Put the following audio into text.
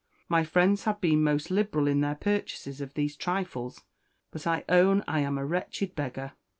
My friends have been most liberal in their purchases of these trifles, but I own I am a wretched beggar.